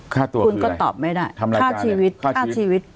ค่าตัวคืออะไรค่าชีวิตค่าชีวิต